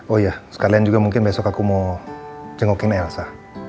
oh iya sekalian juga mungkin besok aku mau jenggokin elsa